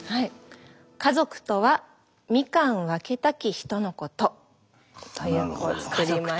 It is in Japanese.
「家族とは蜜柑分けたき人のこと」という句を作りました。